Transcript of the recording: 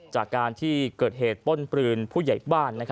จากการที่เกิดเหตุป้นปืนผู้ใหญ่บ้าน